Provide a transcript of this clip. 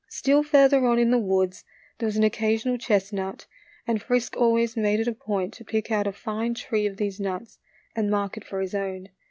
Still further on in the woods there was an occasional chestnut, and Frisk always made it a point to pick out a fine tree of these nuts and mark it for his own.